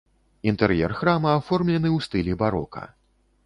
Інтэр'ер храма аформлены ў стылі барока.